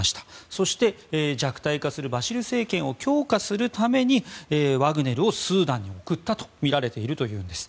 そして、弱体化するバシル政権を強化するためにワグネルをスーダンに送ったとみられているというんです。